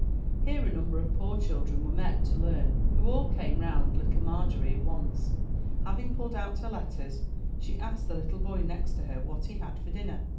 Here a number of poor children were met to learn, who all came round Little Margery at once. Having pulled out her letters, she asked the little boy next her what he had for dinner.